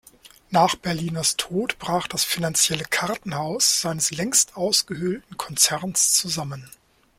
Nach Berliners Tod brach das finanzielle Kartenhaus seines längst ausgehöhlten Konzerns zusammen.